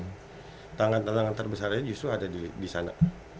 tantangan tantangan terbesarnya justru ada di sana